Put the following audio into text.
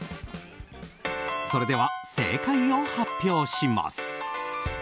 それでは正解を発表します。